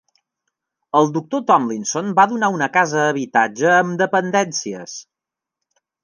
El doctor Thomlinson va donar una casa habitatge amb dependències.